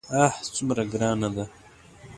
آه څومره ګرانه ده.